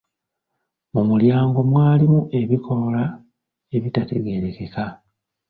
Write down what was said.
Mu mulyango mwalimu ebikoola ebitategeerekeka.